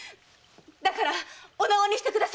だからお縄にしてください！